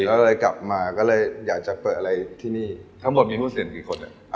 ก็เลยกลับมาก็เลยอยากจะเปิดอะไรที่นี่ทั้งหมดมีหุ้นเสียงกี่คนอ่ะ